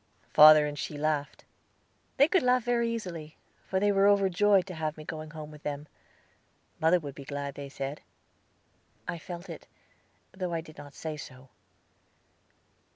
Father and she laughed. They could laugh very easily, for they were overjoyed to have me going home with them. Mother would be glad, they said. I felt it, though I did not say so.